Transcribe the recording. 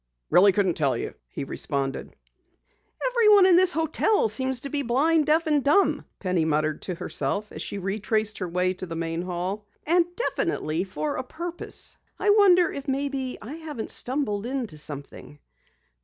"I really couldn't tell you," he responded. "Everyone in this hotel seems to be blind, deaf and dumb," Penny muttered to herself as she retraced her way to the main hall. "And definitely, for a purpose. I wonder if maybe I haven't stumbled into something?"